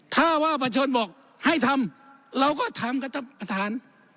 ถ้าว่าประชนบอกให้ทำเราก็ทำกับท่านประธาน